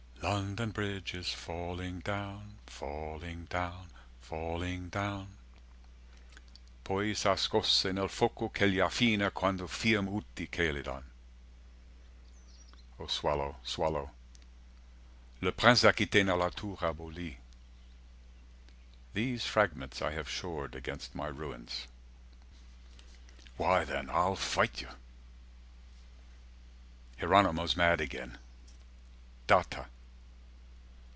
London Bridge is falling down falling down falling down Poi s'ascose nel foco che gli affina Quando fiam ceu chelidon — O swallow swallow Le Prince d'Aquitaine à la tour abolie These fragments I have shored against my ruins 430 Why then Ile fit you. Hieronymo's mad againe. Datta.